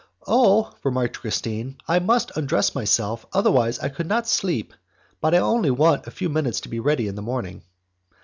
"Oh!" remarked Christine, "I must undress myself, otherwise I could not sleep, but I only want a few minutes to get ready in the morning."